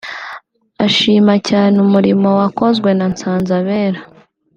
ashima cyane umurimo wakozwe na Nsanzabera